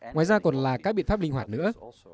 ngoài ra còn là các biện pháp linh hoạt nữa